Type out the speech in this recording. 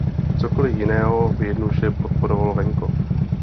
Cokoli jiného by jednoduše podporovalo venkov.